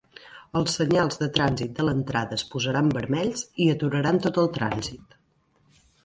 Els senyals de trànsit de l'entrada es posaran vermells i aturaran tot el trànsit.